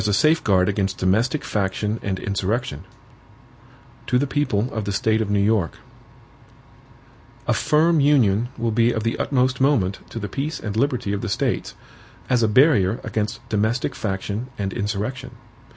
Wednesday, November 21, 1787 HAMILTON To the People of the State of New York: A FIRM Union will be of the utmost moment to the peace and liberty of the States, as a barrier against domestic faction and insurrection.